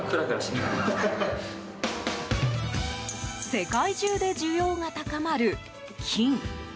世界中で需要が高まる金。